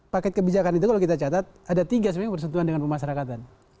paket kebijakan itu kalau kita catat ada tiga sebenarnya bersentuhan dengan pemasarakatan